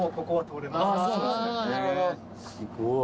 すごい。